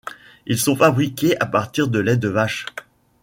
Ils sont fabriqués à partir de lait de vache.